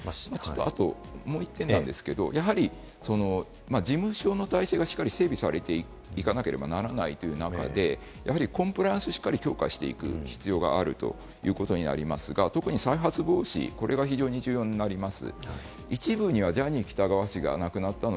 あと、もう一点なんですけれども、やはり事務所の体制がしっかりと整備されないといけない中で、コンプライアンスをしっかり強化していく必要があるということになりますが、特に再発防止、これが特に重要になります。